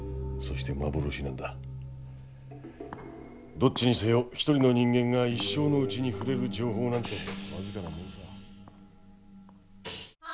どっちにせよ一人の人間が一生のうちに触れる情報なんて僅かなもんさ。